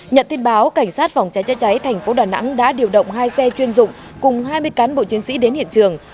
nhận tin báo cảnh sát phòng cháy chữa cháy thành phố đà nẵng đã điều động hai xe chuyên dụng cùng hai mươi cán bộ chiến sĩ đến hiện trường